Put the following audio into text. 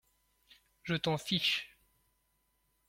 Je t’en fiche !